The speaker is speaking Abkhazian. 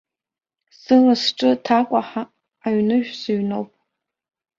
Сыла-сҿы ҭакәаҳа аҩныжә сыҩноуп.